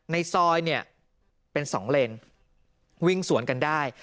ในซอยเนี่ยเป็นสองเลนวิ่งสวนกันได้